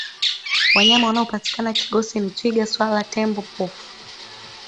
wanyama wanaopatikana kigosi ni twiga swala tembo pofu